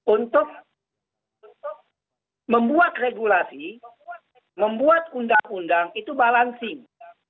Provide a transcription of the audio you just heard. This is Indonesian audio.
untuk membuat regulasi membuat undang undang itu balancing